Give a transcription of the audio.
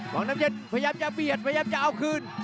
วังน้ำเย็นพยายามจะเบียดพยายามจะเอาคืน